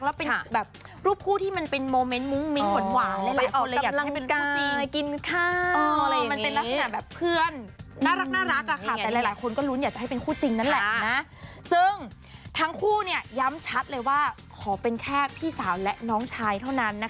แล้วเป็นแบบรูปคู่ที่มันเป็นโมเม้นท์